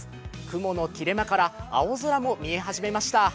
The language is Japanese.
雲の切れ間から青空も見え始めました。